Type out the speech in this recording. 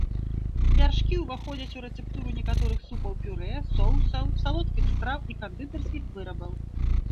Вяршкі ўваходзяць у рэцэптуру некаторых супаў-пюрэ, соусаў, салодкіх страў і кандытарскіх вырабаў.